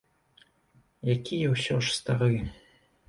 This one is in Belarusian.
Які я ўсё ж стары.